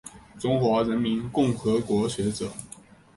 中华人民共和国学者。